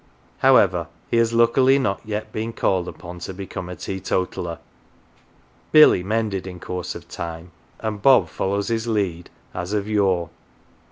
However, he has luckily not yet been called upon to become a teetotaller: Billy "mended" in course of time, and Bob follows his lead as of yore.